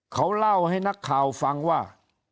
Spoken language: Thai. เขาเล่าให้นักข่าวฟังว่า